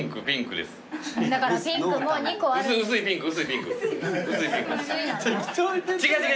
薄いピンクです。